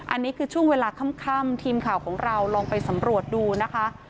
อันนี้คือช่วงเวลาค่ำทีมข่าวของเราลองไปสำรวจดูนะคะ